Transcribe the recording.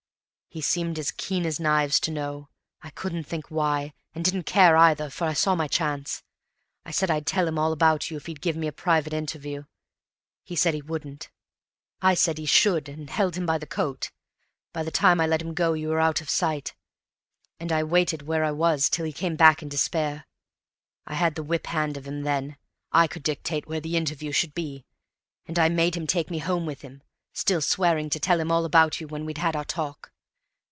He seemed as keen as knives to know, I couldn't think why, and didn't care either, for I saw my chance. I said I'd tell him all about you if he'd give me a private interview. He said he wouldn't. I said he should, and held him by the coat; by the time I let him go you were out of sight, and I waited where I was till he came back in despair. I had the whip hand of him then. I could dictate where the interview should be, and I made him take me home with him, still swearing to tell him all about you when we'd had our talk.